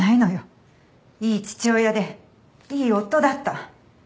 いい父親でいい夫だった。